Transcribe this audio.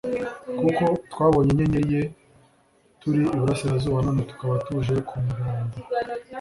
Kuko twabonye inyenyeri ye turi iburasirazuba none tukaba tuje kumuramva'."